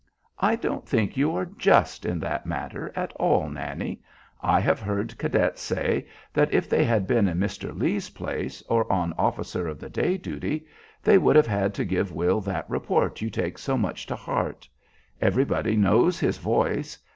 "I don't think you are just in that matter at all, Nannie. I have heard cadets say that if they had been in Mr. Lee's place or on officer of the day duty they would have had to give Will that report you take so much to heart. Everybody knows his voice.